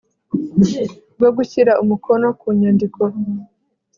bwo gushyira umukono ku nyandiko